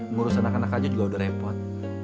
ngurus anak anak aja juga udah repot